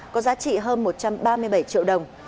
có giá trị hơn một trăm ba mươi bảy triệu đồng